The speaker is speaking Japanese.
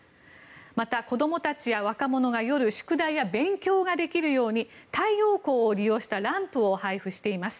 また、子供たちや若者が夜、宿題や勉強ができるように太陽光を利用したランプを配布しています。